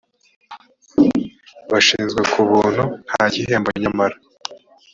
bashinzwe ku buntu nta gihembo nyamara